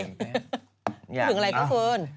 พูดถึงอะไรก็เฟิร์น